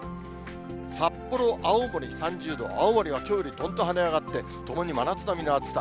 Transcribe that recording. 札幌、青森３０度、青森はきょうよりどんと跳ね上がって、ともに真夏並みの暑さ。